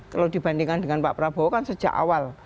kalau dibandingkan dengan pak prabowo kan sejak awal